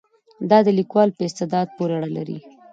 دا د لیکوال په استعداد پورې اړه لري.